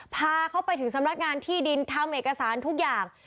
พาเขาไปถึงสำนักงานที่ดินทำเอกสารทุกอย่าง